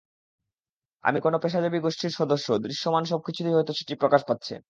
আমি কোন পেশাজীবী গোষ্ঠীর সদস্য, দৃশ্যমান সবকিছুতেই হয়তো সেটি প্রকাশ পাচ্ছে।